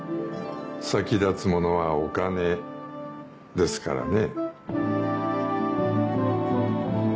先立つものはお金ですからね。